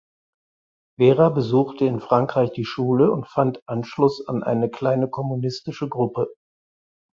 Vera besuchte in Frankreich die Schule und fand Anschluss an eine kleine kommunistische Gruppe.